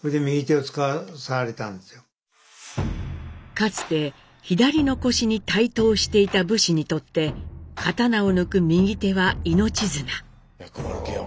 かつて左の腰に帯刀していた武士にとって刀を抜く右手は命綱。